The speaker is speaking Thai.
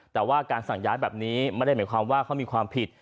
แต่ว่าการสั่งย้ายแบบนี้ไม่ได้หมายความว่าเขามีความผิด